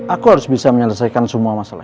aku harus bisa menyelesaikan semua masalah